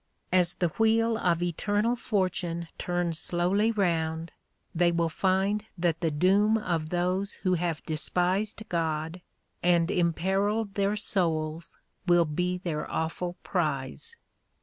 As the wheel of eternal Fortune turns slowly round, they will find that the doom of those who have despised God and imperilled their souls will be their awful prize.